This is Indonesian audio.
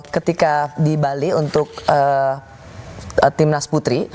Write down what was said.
ketika di bali untuk tim nasional putri